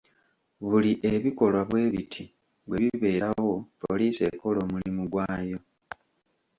Buli ebikolwa bwe biti bwe bibeerawo, poliisi ekola omulimu gwayo.